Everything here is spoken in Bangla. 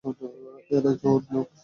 এরাই তো ওর লোক।